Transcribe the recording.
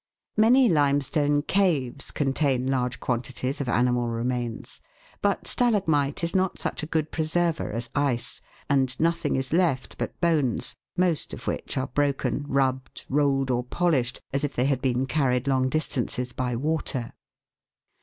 Many limestone caves contain large quantities of animal remains ; but stalagmite is not such a good preserver as ice, and nothing is left but bones, most of which are broken, rubbed, rolled, or polished, as if they had been carried long distances by water.